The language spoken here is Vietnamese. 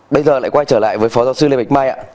bây giờ lại quay trở lại với phó giáo sư lê bạch mai ạ